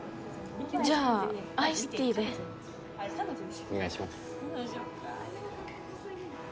じゃあアイスティーであれ彼女でしょお願いします